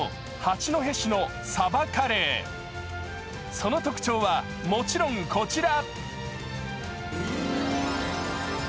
その特徴は、もちろんこちら。